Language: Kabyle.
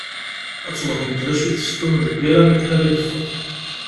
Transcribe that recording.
Ad twehmeḍ d acu itess Tom d lbira makken ara yeffeɣ.